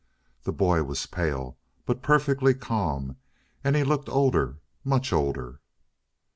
The boy was pale, but perfectly calm, and he looked older, much older.